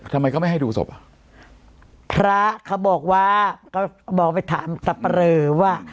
ทำไมเขาไม่ให้ดูศพอ่ะพระเขาบอกว่าก็บอกไปถามสับปะเรอว่า